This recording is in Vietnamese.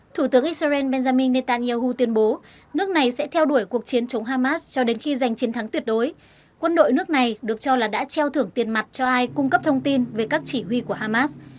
thủ tướng israel benjamin netanyahu tuyên bố nước này sẽ theo đuổi cuộc chiến chống hamas cho đến khi giành chiến thắng tuyệt đối quân đội nước này được cho là đã treo thưởng tiền mặt cho ai cung cấp thông tin về các chỉ huy của hamas